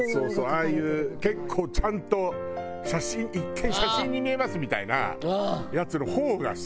ああいう結構ちゃんと写真一見写真に見えますみたいなやつの方が好き。